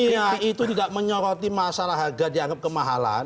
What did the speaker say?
bank dunia itu tidak menyoroti masalah harga dianggap kemahalan